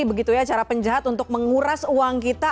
begitu ya cara penjahat untuk menguras uang kita